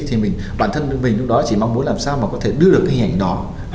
thì bản thân mình lúc đó chỉ mong muốn làm sao mà có thể đưa được cái hình ảnh đó